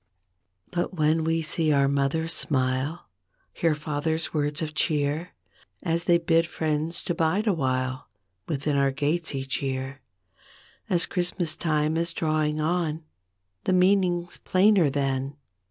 But when we see our mother's smile Hear father's words of cheer As they bid friends to 'bide awhile Within our gates each year As Christmas time is drawing on The meaning's plainer then.